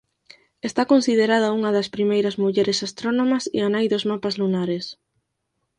Está considerada unha das primeiras mulleres astrónomas e a nai dos mapas lunares.